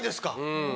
うん。